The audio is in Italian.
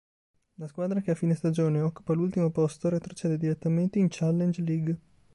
La squadra che a fine stagione occupa l'ultimo posto retrocede direttamente in Challenge League.